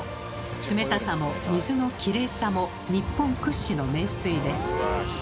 冷たさも水のキレイさも日本屈指の名水です。